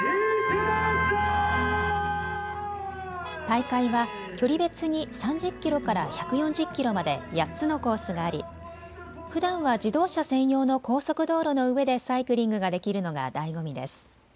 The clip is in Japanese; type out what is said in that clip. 大会は距離別に３０キロから１４０キロまで８つのコースがありふだんは自動車専用の高速道路の上でサイクリングができるのがだいご味です。